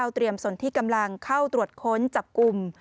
เตรียมส่วนที่กำลังเข้าตรวจค้นจับกลุ่ม